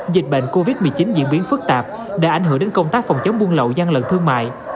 dịch bệnh covid một mươi chín diễn biến phức tạp đã ảnh hưởng đến công tác phòng chống buôn lậu gian lận thương mại